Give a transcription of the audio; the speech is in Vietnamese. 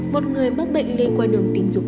một người mắc bệnh lây qua đường tình dục